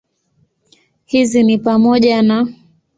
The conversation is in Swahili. Hizi ni pamoja na